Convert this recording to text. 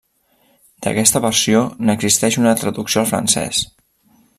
D'aquesta versió n'existeix una traducció al francès.